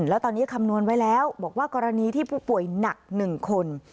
แล้วตอนนี้คำนวณไว้แล้วบอกว่ากรณีที่ผู้ป่วยหนัก๑คน